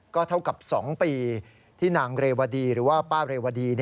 ก็เท่ากับ๒ปีที่นางเรวดีหรือว่าป้าเรวดี